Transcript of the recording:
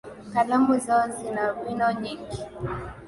Kalamu zao zina wino mwingi